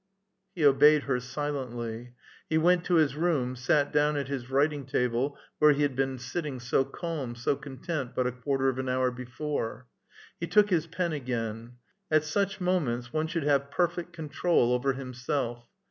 He obeyed her silently. He went to his room, sat down at his writing table, where he had been sitting so calm, so content, but a quarter of an hour before. He took his pen again. "At such moments one should have perfect control over himself.